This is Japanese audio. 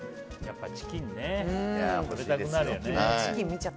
やっぱチキン食べたくなるよね。